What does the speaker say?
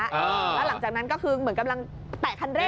แล้วหลังจากนั้นก็คือเหมือนกำลังแตะคันเร่